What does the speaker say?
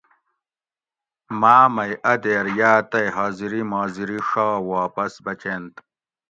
ماۤ مئی اۤ دیر یاۤ تئی حاضری ماضری ڛا واپس بچینت